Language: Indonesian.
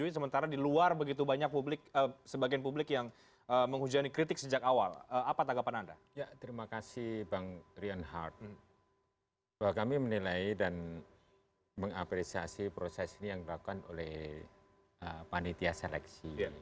saya ingin mengapresiasi proses ini yang dilakukan oleh panitia seleksi